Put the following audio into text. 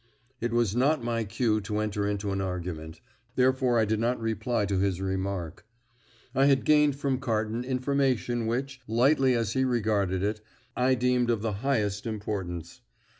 It was not my cue to enter into an argument, therefore I did not reply to this remark. I had gained from Carton information which, lightly as he regarded it, I deemed of the highest importance.